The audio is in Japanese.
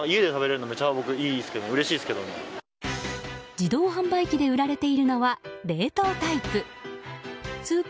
自動販売機で売られているのは冷凍タイプ。